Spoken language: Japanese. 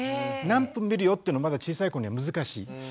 何分見るよっていうのはまだ小さい子には難しい。